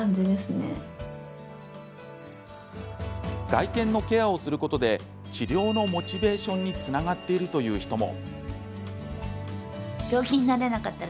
外見のケアをすることで治療のモチベーションにつながっているという人も。